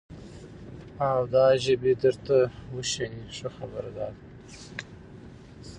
او دا ژبې درته وشني، ښه خبره دا ده،